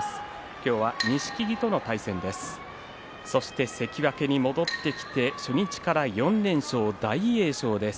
今日は錦木との対戦です。